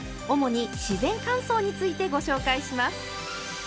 主に自然乾燥についてご紹介します！